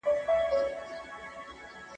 ¬ هيڅ چا د مور په نس کي شى نه دئ زده کری.